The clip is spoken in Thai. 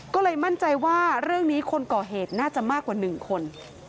ก็เลยมั่นใจว่าเรื่องนี้คนก่อเหตุน่าจะมากกว่า๑คน